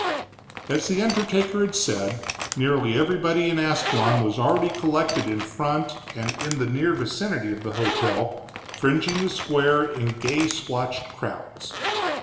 As the undertaker had said, nearly everybody in Ascalon was already collected in front and in the near vicinity of the hotel, fringing the square in gay splotched crowds.